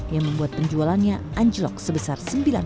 yang membuat penjualannya anjlok sebesar sembilan puluh